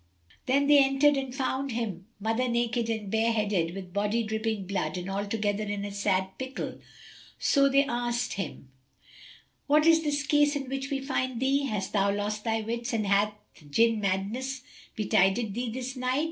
Then they entered and found him mother naked and bareheaded with body dripping blood, and altogether in a sad pickle; so they asked him, "What is this case in which we find thee? Hast thou lost thy wits and hath Jinn madness betided thee this night?"